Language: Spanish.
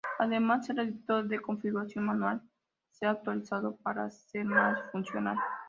Además, el editor de configuración manual se ha actualizado para ser más funcional.